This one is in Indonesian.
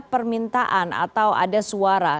permintaan atau ada suara